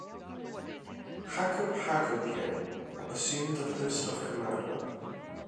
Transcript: Hakob Hakobyan assumed the post of commander.